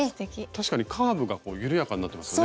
確かにカーブが緩やかになってますね。